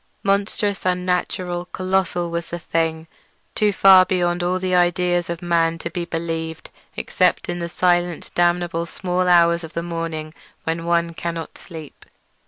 Monstrous, unnatural, colossal, was the thing—too far beyond all the ideas of man to be believed except in the silent damnable small hours when one cannot sleep.